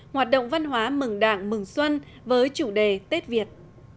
hoạt động văn hóa mừng đảng mừng xuân với chủ đề tết việt